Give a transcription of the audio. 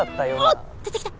おっ出てきた！